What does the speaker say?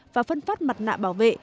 và phân phát mặt nạ bảo vệ